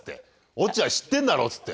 「落合知ってんだろ？」つって。